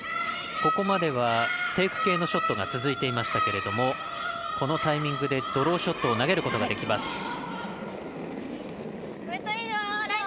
ここまではテイク系のショットが続いていましたけれどもこのタイミングでドローショットを投げることができます。